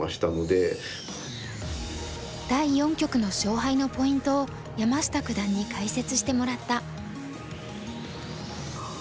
第四局の勝敗のポイントを山下九段に解説してもらった。